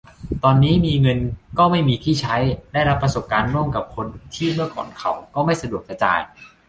ตอนนี้มีเงินก็ไม่มีที่ใช้ ได้รับประสบการณ์ร่วมกับคนที่เมื่อก่อนเขาก็ไม่สะดวกจะจ่าย